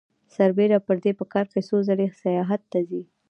سربېره پر دې په کال کې څو ځلې سیاحت ته ځي